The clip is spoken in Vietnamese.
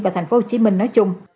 và thành phố hồ chí minh nói chung